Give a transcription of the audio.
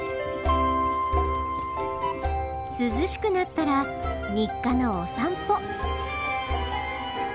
涼しくなったら日課のお散歩。